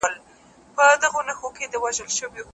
په بهترینه طریقه سرته ورسوې.